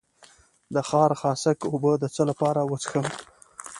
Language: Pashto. د خارخاسک اوبه د څه لپاره وڅښم؟